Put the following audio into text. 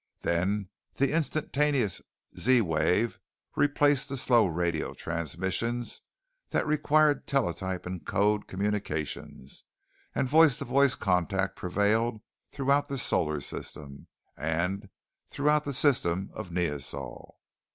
Then the instantaneous Z wave replaced the slow radio transmissions that required teletype and code communications, and voice to voice contacts prevailed throughout the solar system, and throughout the system of Neosol.